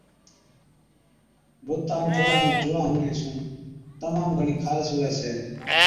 بُتا ائُون ٺوڏا ۾ جُوئان هُوَڻي سُون تمام گھڻِي خارس هُوَي ڇَي۔